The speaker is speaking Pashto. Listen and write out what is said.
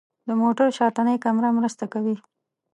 د موټر شاتنۍ کامره مرسته کوي.